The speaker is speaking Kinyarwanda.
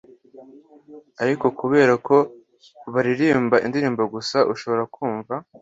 ariko kubera ko baririmba indirimbo gusa ushobora kumva.”